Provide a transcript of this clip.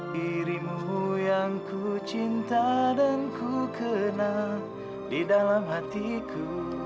dirimu yang ku cinta dan ku kenal di dalam hatiku